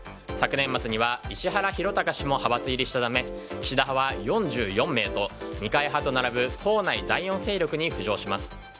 昨年末には石原宏高氏も派閥入りしたため岸田派は４４名と二階派と並ぶ党内第４勢力に浮上します。